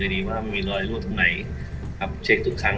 สวัสดีครับวันนี้เราจะกลับมาเมื่อไหร่